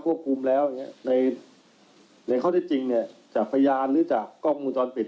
ควบคุมแล้วในข้อได้จริงเนี่ยจากพยานหรือจากกล้องมูลจรปิด